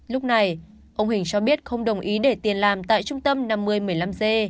lúc này ông hình cho biết không đồng ý để tiền làm tại trung tâm năm mươi một mươi năm g